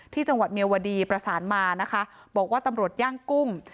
จังหวัดเมียวดีประสานมานะคะบอกว่าตำรวจย่างกุ้ง